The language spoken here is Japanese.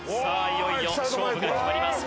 いよいよ勝負が決まります。